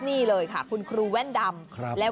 มี๑๐บาทโหให้พี่เขาหมดเลย